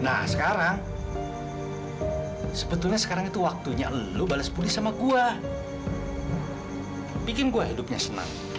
nah sekarang sebetulnya sekarang itu waktunya lu balas pulih sama gue bikin gua hidupnya senang